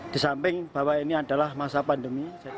di samping bahwa ini adalah masa pandemi